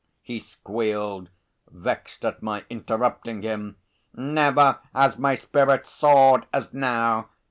he squealed, vexed at my interrupting him. "Never has my spirit soared as now.